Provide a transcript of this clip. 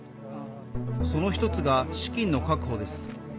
その１つが資金の確保です。